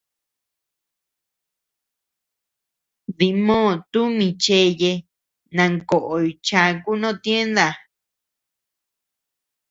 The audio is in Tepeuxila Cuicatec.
Dimoo tumi cheye nankoʼoy chaku no tienda.